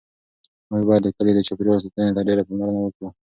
موږ باید د کلي د چاپیریال ساتنې ته ډېره پاملرنه وکړو.